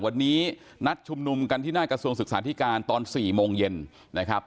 วันนี้นัดชุมนุมกันที่หน้ากระทรวงศึกษาธิการตอน๔โมงเย็นนะครับ